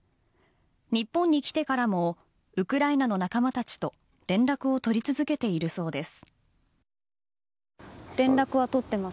日本に来てからもウクライナの仲間たちと連絡を取り続けているそうです。